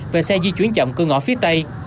về xe di chuyển chậm cơ ngõ phía tây